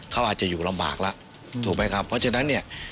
เขาอาจจะอยู่ลำบากแล้วถูกไหมครับเพราะฉะนั้นเนี่ย